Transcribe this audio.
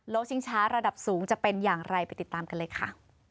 ชิงช้าระดับสูงจะเป็นอย่างไรไปติดตามกันเลยค่ะ